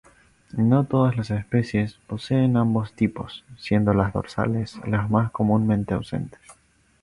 No todas las especies poseen ambos tipos, siendo las dorsales las más comúnmente ausentes.